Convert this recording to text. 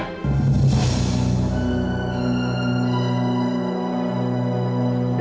kau sudah segera menikahi indira